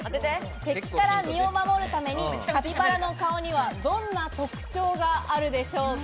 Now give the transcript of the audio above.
敵から身を守るために、カピバラの顔にはどんな特徴があるでしょうか？